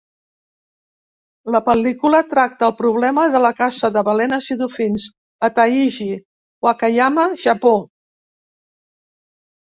La pel·lícula tracta el problema de la caça de balenes i dofins a Taiji, Wakayama, Japó.